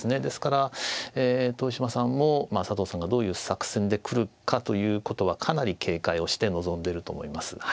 ですから豊島さんも佐藤さんがどういう作戦で来るかということはかなり警戒をして臨んでいると思います。